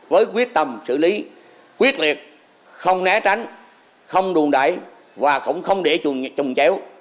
với quyết tâm xử lý quyết liệt không né tránh không đùn đẩy và không để trùng chéo